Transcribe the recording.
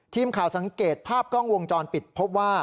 ทีมข่าวสังเกตภาพกล้องวงจรปิดพบว่า